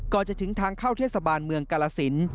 จะถึงทางเข้าเทศบาลเมืองกาลสิน